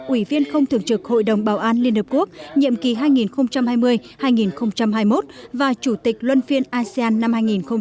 ủy viên không thường trực hội đồng bảo an liên hợp quốc nhiệm kỳ hai nghìn hai mươi hai nghìn hai mươi một và chủ tịch luân phiên asean năm hai nghìn hai mươi